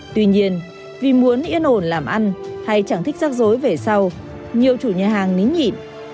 tuy nhiên vì muốn yên ổn làm ăn hay chẳng thích rắc rối về sau nhiều chủ nhà hàng nín nhịn